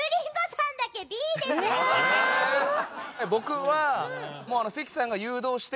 僕は。